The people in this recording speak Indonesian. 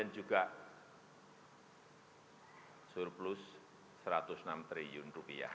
dan juga surplus rp satu ratus enam triliun